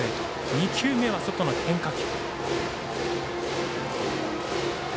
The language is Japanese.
２球目は外の変化球。